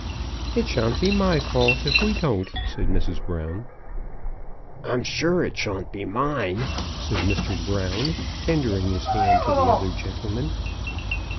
" It sha'n't be my fault if we don't," said Mrs. Brown. "I'm sure it sha'n't be mine," said Mr. Brown, tendering his hand to the other gentleman.